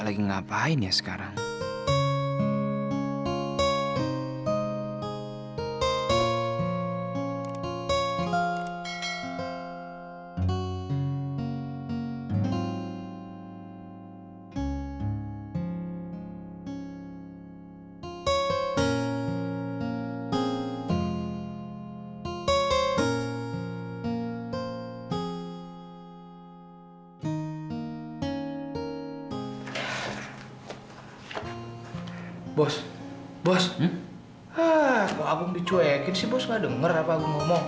terima kasih banyak banyak